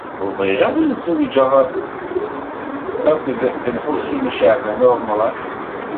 Ur bɣiɣ ara ad zewǧeɣ akked Lḥusin n Caɛban u Ṛemḍan.